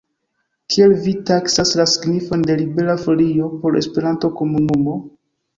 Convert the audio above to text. Kiel vi taksas la signifon de Libera Folio por la Esperanto-komunumo?